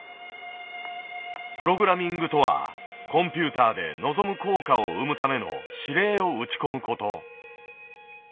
プログラミングとはコンピューターで望む効果を生むための指令を打ち込む事。